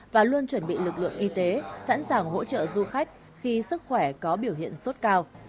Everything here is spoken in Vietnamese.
và luôn chuẩn bị lực lượng y tế sẵn sàng hỗ trợ du khách khi sức khỏe có biểu hiện sốt cao